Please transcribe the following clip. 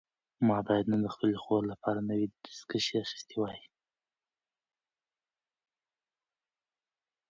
ما باید نن د خپلې خور لپاره نوي دستکشې اخیستې وای.